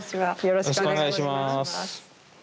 よろしくお願いします。